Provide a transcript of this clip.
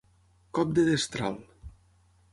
Cop de destral.